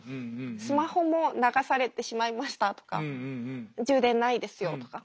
スマホも流されてしまいましたとか充電ないですよとか。